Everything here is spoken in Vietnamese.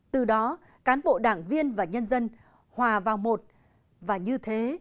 từ đó cán bộ đảng viên và nhân dân hòa vào một và như thế